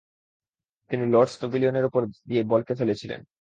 তিনি লর্ডস প্যাভিলিয়নের উপর দিয়ে বলকে ফেলেছিলেন।